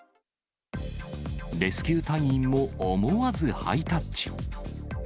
レスキュー隊員も思わずハイタッチ。